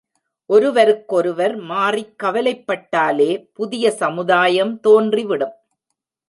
ஒருவருக்கொருவர் மாறிக் கவலைப் பட்டாலே புதிய சமுதாயம் தோன்றிவிடும்.